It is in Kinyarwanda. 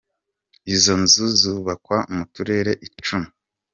Izo nzu zubakwa mu turere icumi.